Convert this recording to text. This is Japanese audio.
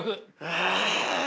ああ！